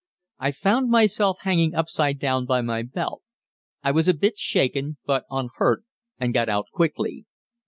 I found myself hanging upside down by my belt. I was a bit shaken but unhurt, and got out quickly.